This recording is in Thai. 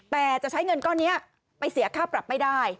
แต่จะใช้เงินก้อนนี้ไปเสียค่าปรับไม่ได้